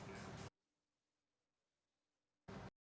setia novanto menanggung setiap pelanggaran